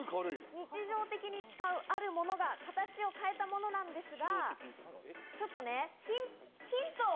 日常的に使うあるものが形を変えたものなんですが、ヒントを。